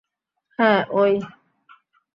হ্যাঁ, ওই।